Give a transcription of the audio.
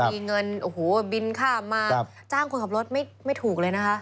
มีเงินโอ้โหบินข้ามมาจ้างคนขับรถไม่ถูกเลยนะคะ